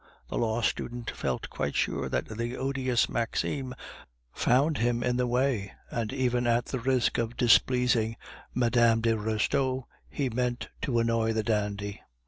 The law student felt quite sure that the odious Maxime found him in the way, and even at the risk of displeasing Mme. de Restaud, he meant to annoy the dandy.